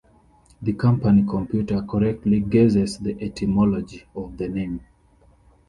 The Company computer correctly guesses the etymology of the name.